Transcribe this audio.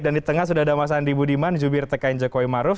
dan di tengah sudah ada mas andi budiman di jumir tekain jokowi maruf